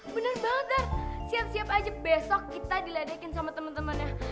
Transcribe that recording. bener banget dar siap siap aja besok kita diledekin sama temen temennya